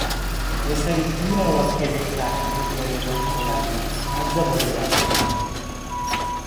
यसरी पुरा वाक्य लेख्दा हाम्रो प्रयोजनको लागि अझ बढी राम्रो हुन्छ ।